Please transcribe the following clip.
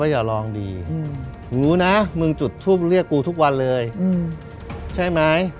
อย่าลองดีหนูนะมึงจุดทูปเรียกกูทุกวันเลยใช่ไหม